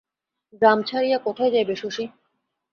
গ্রাম ছাড়িয়া কোথায় যাইবে শশী?